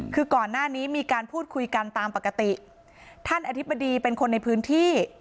คือก่อนหน้านี้มีการพูดคุยกันตามปกติท่านอธิบดีเป็นคนในพื้นที่